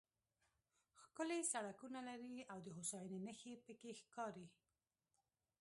ښکلي سړکونه لري او د هوساینې نښې پکې ښکاري.